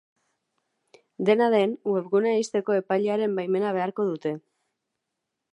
Dena den, webgunea ixteko epailearen baimena beharko dute.